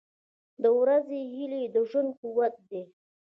• د ورځې هیلې د ژوند قوت دی.